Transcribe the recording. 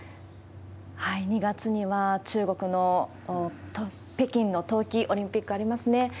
２月には中国の北京の冬季オリンピックありますね。